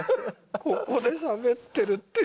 ここでしゃべってるという。